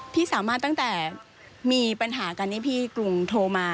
พี่สามารถตั้งแต่มีปัญหากันนี่พี่กรุงโทรมา